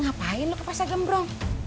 ngapain lo ke pasar gembrong